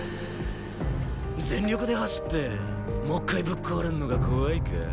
全力で走ってもう一回ぶっ壊れるのが怖いか？